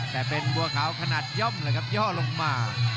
แต่เป็นบัวขาวขนาดย่อมเลยครับย่อลงมา